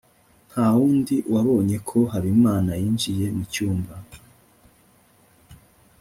nta wundi wabonye ko habimana yinjiye mu cyumba